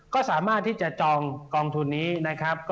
ก็สามารถที่จะจองกองทุนนี้นะครับ